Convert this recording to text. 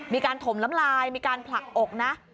มีการถมล้ำลายมีการผลักอกนะ